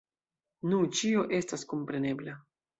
Nu, ĉio estas komprenebla.